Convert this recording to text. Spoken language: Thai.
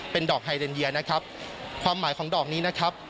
เป็นดอกไฮเดนเยียนะครับความหมายของดอกนี้นะครับ